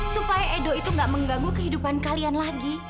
supaya edo itu gak mengganggu kehidupan kamila